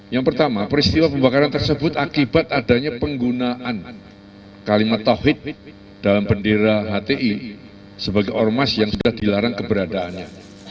yang pertama peristiwa pembakaran tersebut akibat adanya penggunaan kalimat tawhid dalam bendera hti sebagai ormas yang sudah dilarang keberadaannya